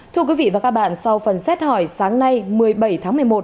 thưa quý vị và các bạn sau phần xét hỏi sáng nay một mươi bảy tháng một mươi một